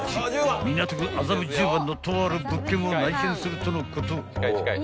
港区麻布十番のとある物件を内見するとのこと］